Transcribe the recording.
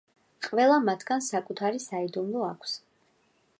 ყველა მათგანს საკუთარი საიდუმლო აქვს.